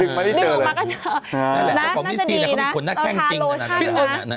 ดึงมานี่เจอเลยน่าจะดีนะเราทาโลชันนะน่าจะดีนะ